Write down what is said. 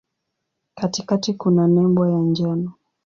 Katikati kuna nembo ya njano.